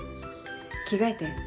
着替えて。